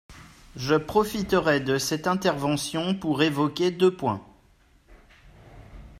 Je profiterai de cette intervention pour évoquer deux points.